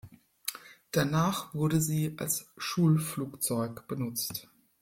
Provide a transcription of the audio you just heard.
Danach wurde sie als Schulflugzeug genutzt.